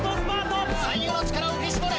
最後の力を振り絞れ！